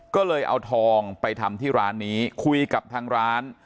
ก็เลยเอาทองไปทำที่ร้านนี้คุยกับทางร้าน